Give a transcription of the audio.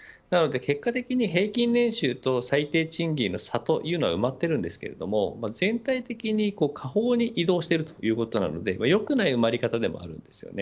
結果的に平均年収と最低賃金の差というのは埋まっているんですけど全体的に下方に移動しているということなのでよくない埋まり方でもあります。